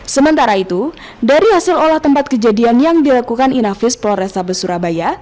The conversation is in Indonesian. sementara itu dari hasil olah tempat kejadian yang dilakukan inafis polrestabes surabaya